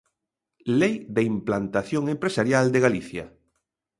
Lei de implantación empresarial de Galicia.